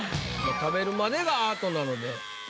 食べるまでがアートなので。